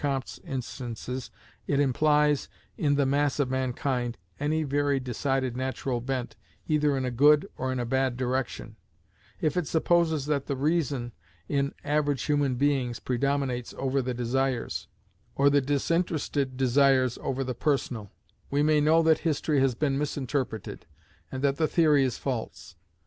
Comte's instances) it implies, in the mass of mankind, any very decided natural bent, either in a good or in a bad direction; if it supposes that the reason, in average human beings, predominates over the desires, or the disinterested desires over the personal; we may know that history has been misinterpreted, and that the theory is false.